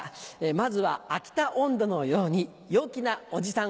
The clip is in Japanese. まずは『秋田音頭』のように陽気なおじさん